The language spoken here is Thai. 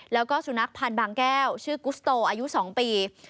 แล้วก็สุนัขพันธ์บางแก้วชื่อกุสโตอายุ๒ปี